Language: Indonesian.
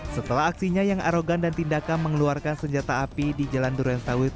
setelah aksinya yang arogan dan tindakan mengeluarkan senjata api di jalan duren sawit